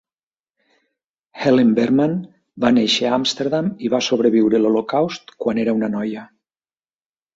Helen Berman va néixer a Amsterdam i va sobreviure l'holocaust quan era una noia.